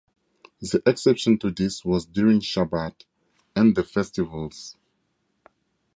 The exception to this was during Shabbat and the festivals.